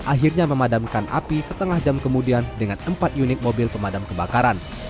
akhirnya memadamkan api setengah jam kemudian dengan empat unit mobil pemadam kebakaran